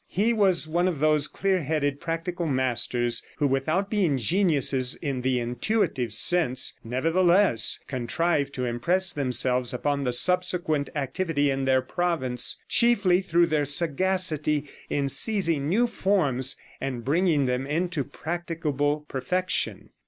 He was one of those clear headed, practical masters, who, without being geniuses in the intuitive sense, nevertheless contrive to impress themselves upon the subsequent activity in their province, chiefly through their sagacity in seizing new forms and bringing them into practicable perfection.